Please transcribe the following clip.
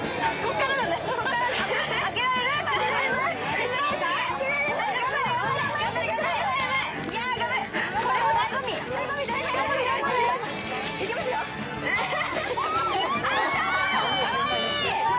かわいい！